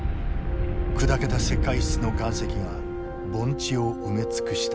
砕けた石灰質の岩石が盆地を埋め尽くした。